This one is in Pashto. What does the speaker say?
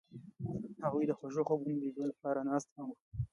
هغوی د خوږ خوبونو د لیدلو لپاره ناست هم وو.